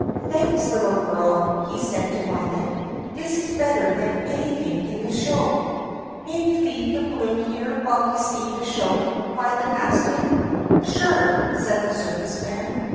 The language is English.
"Thanks, little girl!" he said to Violet. "This is better than anything in the show." "May we leave the balloon here while we see the show 4 ?" Violet asked him. "Sure!" said the circus man.